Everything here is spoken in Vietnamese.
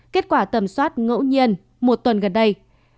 kết quả tầm soát ngẫu nhiên một tuần gần đây